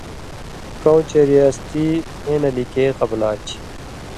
کؤں چے ریاستی پھېں نہ لِکے قبلا چھی۔